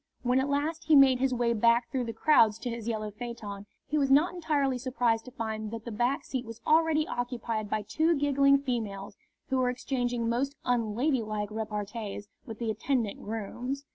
When at last he made his way back through the crowds to his yellow phaeton, he was not entirely surprised to find that the back seat was already occupied by two giggling females, who were exchanging most unladylike repartees with the attendant grooms.